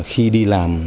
khi đi làm